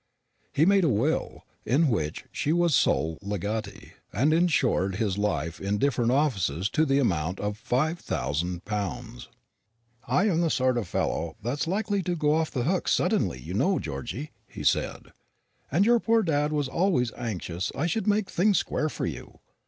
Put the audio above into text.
He made a will, in which she was sole legatee, and insured his life in different offices to the amount of five thousand pounds. "I'm the sort of fellow that's likely to go off the hooks suddenly, you know, Georgy," he said, "and your poor dad was always anxious I should make things square for you.